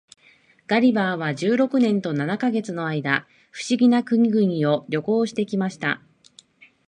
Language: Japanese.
ガリバーは十六年と七ヵ月の間、不思議な国々を旅行して来ました。